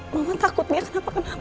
mama takut dia kenapa kenapa